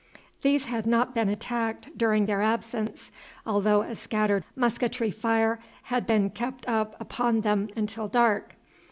These had not been attacked during their absence, although a scattered musketry fire had been kept up upon them until dark.